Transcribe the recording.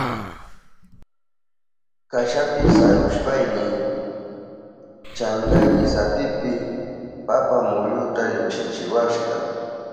Kashapi sarushpayni chankayni sapipi papa muyuka llukshiwashka.